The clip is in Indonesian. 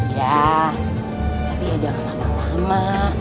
iya tapi jangan lama lama